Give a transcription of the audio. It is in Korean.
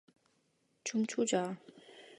춤추자.